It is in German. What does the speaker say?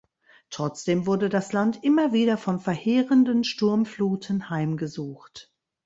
Trotzdem wurde das Land immer wieder von verheerenden Sturmfluten heimgesucht.